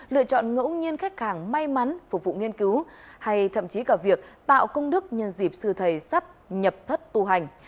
lựa chọn ngẫu nhiên khách hàng may mắn phục vụ nghiên cứu hay thậm chí cả việc tạo công đức nhân dịp sư thầy sắp nhập thất tu hành